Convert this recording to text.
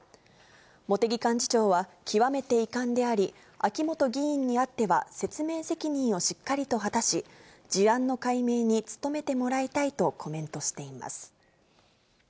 茂木幹事長は、極めて遺憾であり、秋本議員にあっては説明責任をしっかりと果たし、事案の解明に努めてもらいたいとコメントしています。